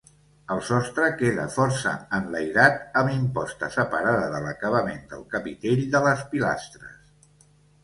El sostre queda força enlairat amb imposta separada de l'acabament del capitell de les pilastres.